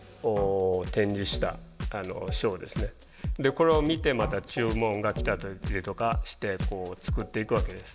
これを見てまた注文が来たりとかして作っていくわけです。